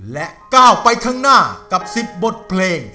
และก้าวไปข้างหน้ากับ๑๐บทเพลง